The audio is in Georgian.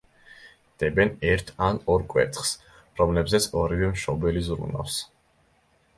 დებენ ერთ ან ორ კვერცხს, რომლებზეც ორივე მშობელი ზრუნავს.